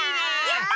やった！